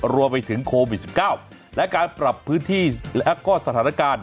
รวมไปถึงโควิด๑๙และการปรับพื้นที่และก็สถานการณ์